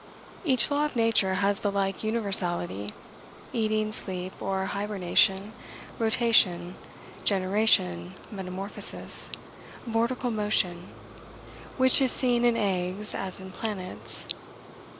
Each law of nature has the like universality; eating, sleep or hybernation, rotation, generation, metamorphosis, vortical motion, which is seen in eggs as in planets.